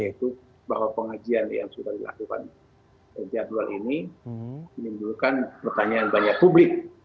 yaitu bahwa pengajian yang sudah dilakukan jadwal ini menimbulkan pertanyaan banyak publik